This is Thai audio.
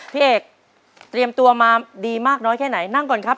พี่เอกเตรียมตัวมาดีมากน้อยแค่ไหนนั่งก่อนครับ